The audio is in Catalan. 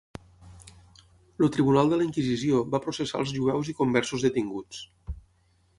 El Tribunal de la Inquisició va processar els jueus i conversos detinguts.